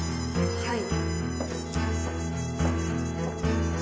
はい。